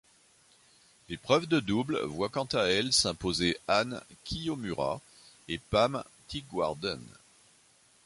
L'épreuve de double voit quant à elle s'imposer Ann Kiyomura et Pam Teeguarden.